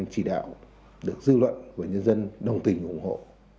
chỉ đạo được dư luận của nhân dân đồng tình ủng hộ